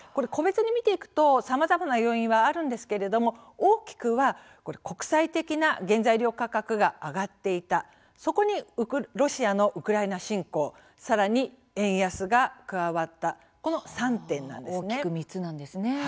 個別に見ていくとさまざまな要因はあるんですけれども大きくは国際的な原材料価格が上がっていたそこにロシアのウクライナ侵攻さらに円安が加わったこの３点なんですね。